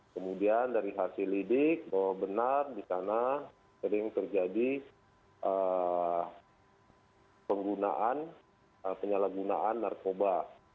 kemudian dari hasil lidik bahwa benar di sana sering terjadi penyalahgunaan narkoba